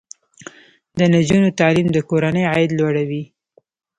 د نجونو تعلیم د کورنۍ عاید لوړوي.